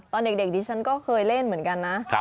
ตอนเด็กดิฉันก็เคยเล่นเหมือนกันนะ